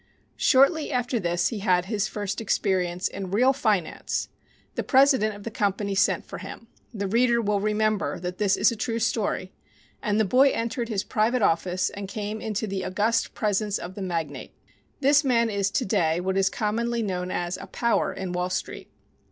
Shortly after this he had his first experience in real finance. The president of the company sent for him the reader will remember that this is a true story and the boy entered his private office and came into the august presence of the magnate. This man is to day what is commonly known as a "power" in Wall Street.